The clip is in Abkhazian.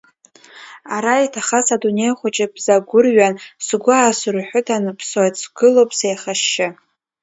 Ара иҭахаз адунеи хәыҷы бзагәырҩан, сгәы асырҳәы ҭанаԥсоит, сгылоуп сеихашьшьы.